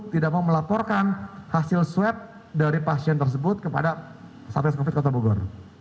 tidak mau melaporkan hasil swab dari pasien tersebut kepada satgas covid kota bogor